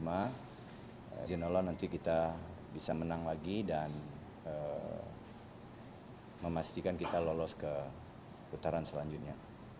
insya allah nanti kita bisa menang lagi dan memastikan kita lolos ke putaran selanjutnya